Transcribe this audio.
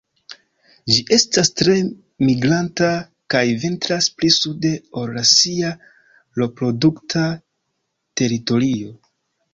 Ĝi estas tre migranta kaj vintras pli sude ol sia reprodukta teritorio.